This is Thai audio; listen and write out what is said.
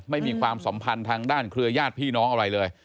มีความสัมพันธ์ทางด้านเครือญาติพี่น้องอะไรเลย